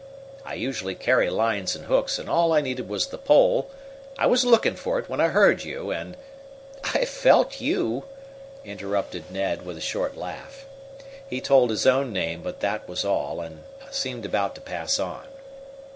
I usually carry lines and hooks, and all I needed was the pole. I was looking for it when I heard you, and " "I felt you!" interrupted Ned, with a short laugh. He told his own name, but that was all, and seemed about to pass on.